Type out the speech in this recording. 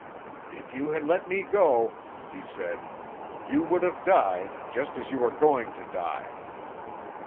"If you had let me go," he said, "you would have died just as you are going to die."